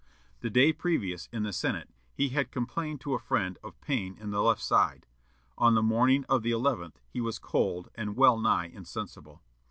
The day previous, in the Senate, he had complained to a friend of pain in the left side. On the morning of the eleventh he was cold and well nigh insensible.